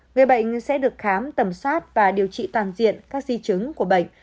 người bệnh sẽ được khám tầm soát và điều trị toàn diện các di chứng của bệnh